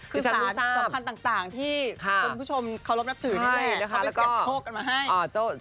คือสารสำคัญต่างที่คุณผู้ชมเคารพนับสื่อได้ด้วยเขาไปเก็บโชคกันมาให้